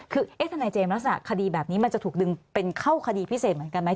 คือเอ๊ะทนายเจมส์ลักษณะคดีแบบนี้มันจะถูกดึงเป็นเข้าคดีพิเศษเหมือนกันไหม